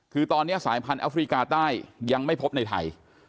คือตอนนี้สายพันธุ์แอฟริกาใต้ยังไม่พบในไทย